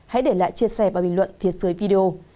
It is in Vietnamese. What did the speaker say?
hãy để lại chia sẻ và bình luận thêm dưới video